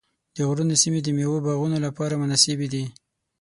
د غرونو سیمې د مېوو باغونو لپاره مناسبې دي.